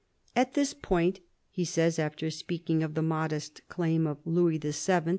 "At this point," he says, after speaking of the modest claim of Louis VII.